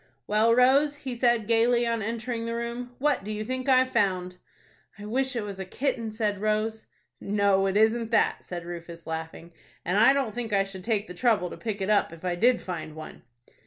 "Well, Rose," he said, gayly, on entering the room, "what do you think I've found?" "I wish it was a kitten," said Rose. "No, it isn't that," said Rufus, laughing, "and I don't think I should take the trouble to pick it up, if I did find one."